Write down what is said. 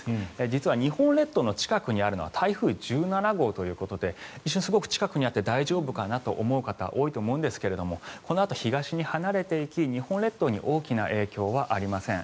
実は日本列島の近くにあるのは台風１７号ということで一瞬、すごく近くにあって大丈夫かなと思う方も多いと思うんですけどもこのあと東に離れていき日本列島に大きな影響はありません。